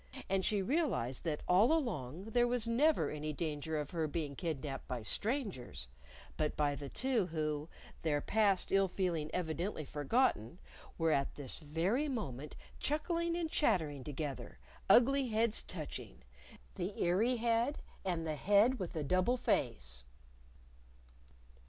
And she realized that all along there was never any danger of her being kidnaped by strangers, but by the two who, their past ill feeling evidently forgotten, were at this very moment chuckling and chattering together, ugly heads touching the eary head and the head with the double face!